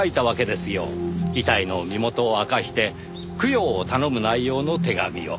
遺体の身元を明かして供養を頼む内容の手紙を。